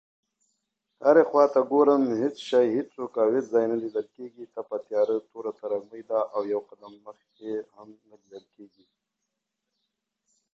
Let's talk about delusions.